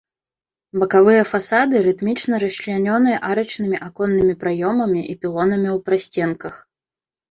Бакавыя фасады рытмічна расчлянёны арачнымі аконнымі праёмамі і пілонамі ў прасценках.